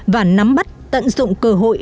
và nắm bắt tận dụng cơ hội